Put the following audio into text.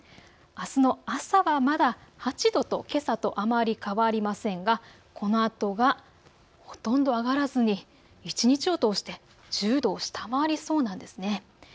あすの朝はまだ８度とけさとあまり変わりませんが、このあとはほとんど上がらずに一日を通して１０度を下回りそうなんですね。